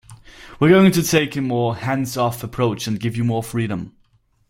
We're going to take a more hands-off approach and give you more freedom.